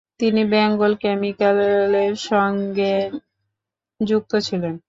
তিনি বেঙ্গল কেমিক্যালের সঙ্গেও যুক্ত ছিলেন।